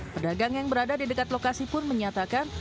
pedagang yang berada di dekat lokasi pun menyatakan